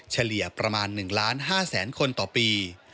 เฉลี่ยประมาณ๑๕๐๐๐๐๐คนต่อปี